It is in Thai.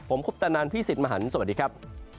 ผมคุปตะนันพี่สิทธิ์มหันฯสวัสดีครับ